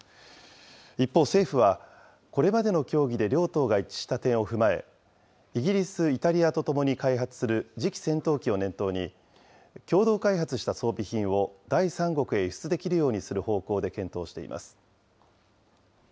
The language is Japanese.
一方、政府はこれまでの協議で両党が一致した点を踏まえ、イギリス、イタリアと共に開発する次期戦闘機を念頭に、共同開発した装備品を第三国へ輸出できるようにする方向で検討しています。